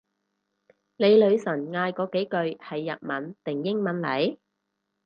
你女神嗌嗰幾句係日文定英文嚟？